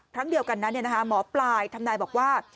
ครั้งเดียวกันนั้นหมอปลายทำนายบอกว่า